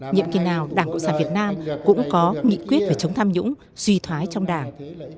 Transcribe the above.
nhiệm kỳ nào đảng cộng sản việt nam cũng có nghị quyết về chống tham nhũng suy thoái trong đảng